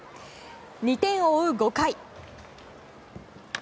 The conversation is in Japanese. ２点を追う５回。